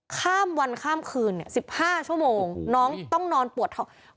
ข้ามวันข้ามคืน๑๕ชั่วโมงน้องต้องนอนปวดท้อง